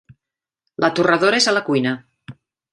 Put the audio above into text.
La torradora és a la cuina.